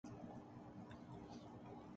پاکستان نے پہلی مکمل برقی گاڑی متعارف کرادی